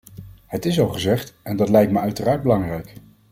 Het is al gezegd, en dat lijkt me uiteraard belangrijk.